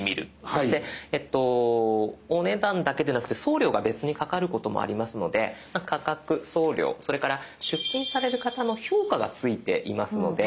そしてお値段だけでなくて送料が別にかかることもありますので価格送料それから出品される方の評価が付いていますので。